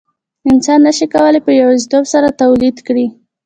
انسان نشي کولای په یوازیتوب سره تولید وکړي.